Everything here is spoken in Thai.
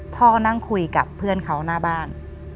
พ่อก็นั่งคุยกับเพื่อนเขาหน้าบ้าน